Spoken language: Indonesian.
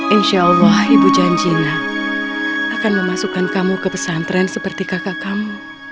insya allah ibu janjina akan memasukkan kamu ke pesantren seperti kakak kamu